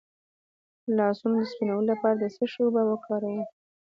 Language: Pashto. د لاسونو د سپینولو لپاره د څه شي اوبه وکاروم؟